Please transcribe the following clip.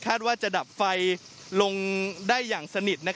ว่าจะดับไฟลงได้อย่างสนิท